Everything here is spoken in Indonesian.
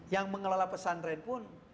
yang mengelola pesan tren pun